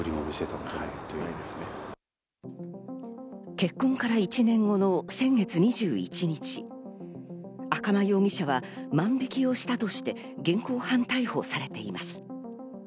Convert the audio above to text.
結婚から１年後の先月２１日、赤間容疑者は万引をしたとして現行犯逮捕されています。